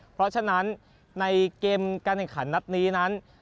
เพราะฉะนั้นในเกมงานเงนัดนี้นั้น